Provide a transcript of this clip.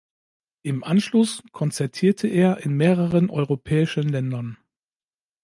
Im Anschluss konzertierte er in mehreren europäischen Ländern.